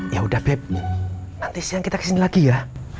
ya udah bebe nanti siang kita kesini lagi ya